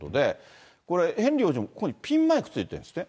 これ、ヘンリー王子もここにピンマイクついてるんですって。